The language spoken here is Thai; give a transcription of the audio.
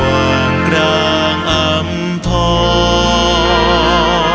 รักทั้งหมุนทั้งหมุน